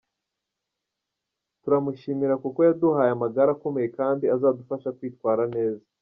Turamushimira kuko yaduhaye amagare akomeye kandi azadufasha kwitwara neza.